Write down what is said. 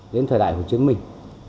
đến thời đại hồ chí minh